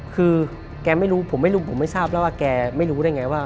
คือแกไม่รู้ผมไม่รู้ผมไม่ทราบแล้วว่าแกไม่รู้ได้ไงว่า